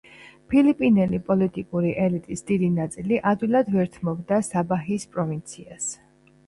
ფილიპინელი პოლიტიკური ელიტის დიდი ნაწილი ადვილად ვერ თმობდა საბაჰის პროვინციას.